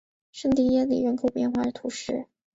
圣蒂耶里人口变化图示